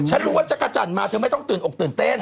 รู้ว่าจักรจันทร์มาเธอไม่ต้องตื่นอกตื่นเต้น